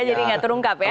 jadi gak terungkap ya